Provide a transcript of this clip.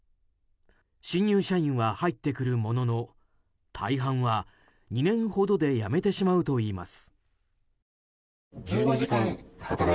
新入社員は入ってくるものの大半は２年ほどで辞めてしまうといいます。